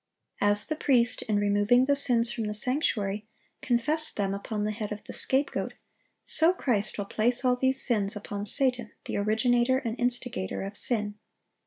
As the priest, in removing the sins from the sanctuary, confessed them upon the head of the scapegoat, so Christ will place all these sins upon Satan, the originator and instigator of sin.